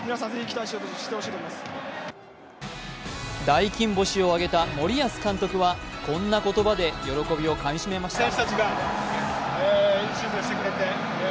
大金星を挙げた森保監督はこんな言葉で喜びをかみしめました。